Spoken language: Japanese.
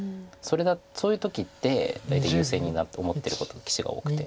そういう時って大体優勢に思ってること棋士が多くて。